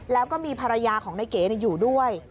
แล้วก็มีภรรยาของนายเก๋อยู่ด้วย